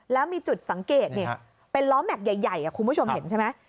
แล้วมีจุดสังเกตเป็นล้อแม็กซ์ใหญ่คุณผู้ชมเห็นใช่ไหม